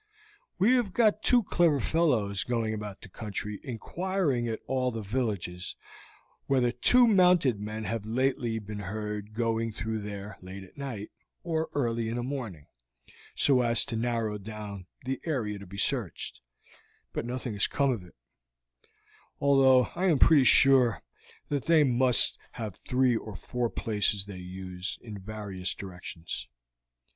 "We have got two clever fellows going about the country inquiring at all the villages whether two mounted men have lately been heard going through there late at night, or early in the morning, so as to narrow down the area to be searched, but nothing has come of it, although I am pretty sure that they must have three or four places they use in various directions.